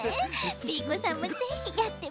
Ｂ子さんもぜひやってみてね。